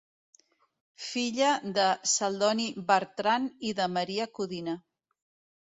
Filla de Celdoni Bertran i de Maria Codina.